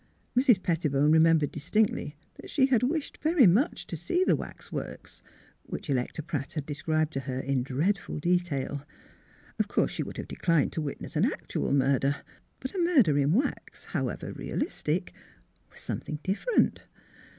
Mrs. Pettibone remembered distinctly that she had wished very much to see the wax works, which Electa Pratt had described to her in dreadful de tail. Of course she would have declined to wit ness an actual murder. But a murder in wax, however realistic, was something different.